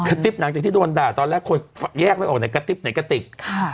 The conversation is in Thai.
กระติ๊บหลังจากที่โดนด่าตอนแรกคนแยกไว้ออกในกระติ๊บในกระติ๊บ